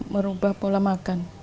merubah pola makan